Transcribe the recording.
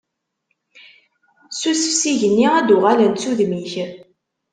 Ssusef s igenni, ad d-uɣalent s udem-ik.